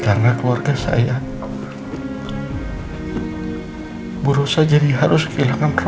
karena keluarga saya borosah jadi harus kehilangan roy